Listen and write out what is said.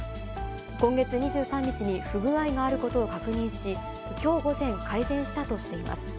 今月２３日に不具合があることを確認し、きょう午前、改善したとしています。